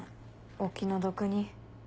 お気の毒に。